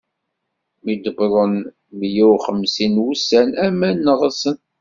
Mi wwḍen meyya uxemsin n wussan, aman neɣsen.